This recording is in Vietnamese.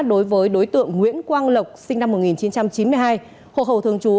đối với đối tượng nguyễn quang lộc sinh năm một nghìn chín trăm chín mươi hai hộ khẩu thường trú